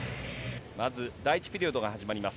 まず第１ピリオドが始まります。